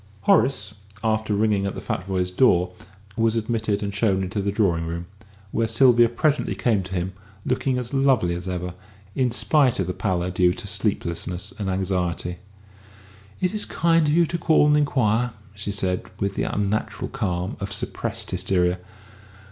Horace, after ringing at the Futvoyes' door, was admitted and shown into the drawing room, where Sylvia presently came to him, looking as lovely as ever, in spite of the pallor due to sleeplessness and anxiety. "It is kind of you to call and inquire," she said, with the unnatural calm of suppressed hysteria.